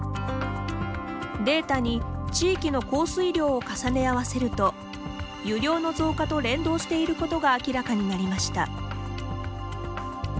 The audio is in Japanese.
データに地域の降水量を重ね合わせると湯量の増加と連動していることが明らかになりました。